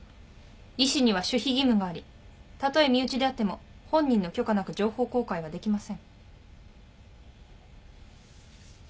医師には守秘義務がありたとえ身内であっても本人の許可なく情報公開はできません。